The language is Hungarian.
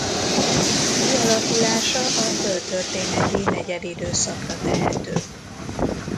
Kialakulása a földtörténeti negyedidőszakra tehető.